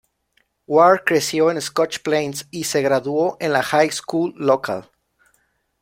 Ware creció en Scotch Plains y se graduó en la high school local.